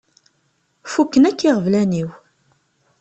Fukken akk iɣeblan-iw.